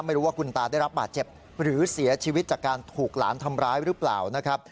ไม่รู้ว่าคุณตาได้รับบาดเจ็บหรือเสียชีวิตจากการถูกหลานทำร้ายหรือเปล่านะครับ